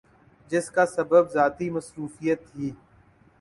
جس کا سبب ذاتی مصروفیت تھی ۔